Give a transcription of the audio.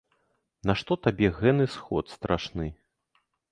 Нашто табе гэны сход страшны?